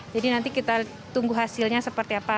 jadi nanti kita tunggu hasilnya seperti apa